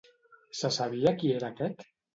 Se sabia qui era aquest?